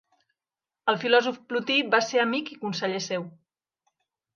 El filòsof Plotí va ser amic i conseller seu.